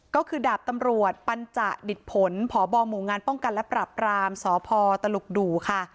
ก็คือดาบตำรวจปัญจดิตผลพบหมู่งานป้องกันและปรับรามสพตลุกดู่ค่ะ